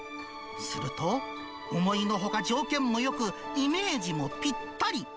すると、思いのほか条件もよく、イメージもぴったり。